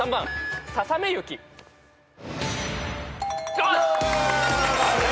よし！